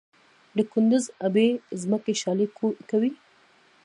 د کندز ابي ځمکې شالې کوي؟